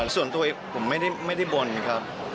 ส่วนตัวเองผมไม่ได้บนครับ